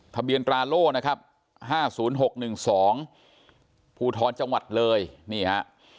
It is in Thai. ทะเบียนตราโลนะครับห้าศูนย์หกหนึ่งสองภูท้อนจังหวัดเลยนี่ฮะ